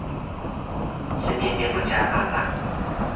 吃麵麵不加辣辣